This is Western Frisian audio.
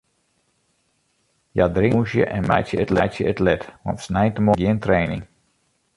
Hja drinke en dûnsje en meitsje it let, want sneintemoarns is der gjin training.